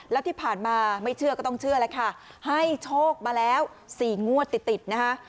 แล้วที่ผ่านมาไม่เชื่อก็ต้องเชื่อแล้วค่ะให้โชคมาแล้ว๔งวดติดติดนะคะ